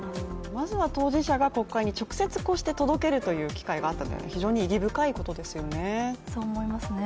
まずは当事者が国会に直接こうして届ける機会があったというのは、非常に意義深いことですよね。